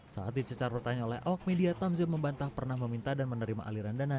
saat dicecar pertanyaan oleh awak media tamzil membantah pernah meminta dan menerima aliran dana